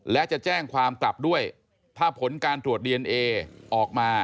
และจะแจ้งความกลับด้วยถ้าผลการตรวจดีเอนเอออกมา